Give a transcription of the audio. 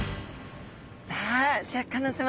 さあシャーク香音さま